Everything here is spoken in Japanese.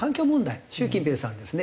習近平さんですね